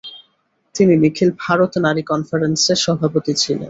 তিনি নিখিল ভারত নারী কনফারেন্সের সভাপতি ছিলেন।